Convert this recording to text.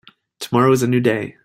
Tomorrow is a new day.